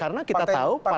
karena kita tahu partai